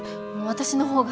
私の方が。